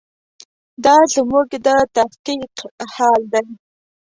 دا زموږ د تحقیق حال دی.